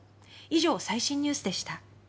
以上、最新ニュースでした。